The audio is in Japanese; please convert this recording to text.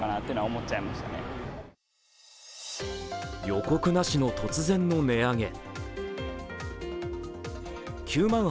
予告なしの突然の値上げ。